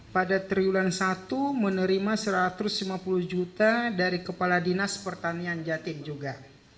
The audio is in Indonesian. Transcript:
pada triwulan satu menerima satu ratus lima puluh juta dari kepala dinas pertanian jatim juga